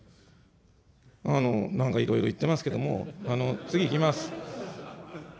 なんかいろいろ言ってますけども、次いきます。